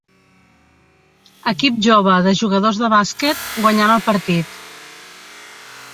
Equip jove de jugadors de bàsquet guanyant el partit.